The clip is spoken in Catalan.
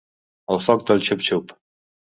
El foc del xup xup.